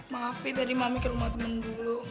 maaf tadi mami ke rumah temen dulu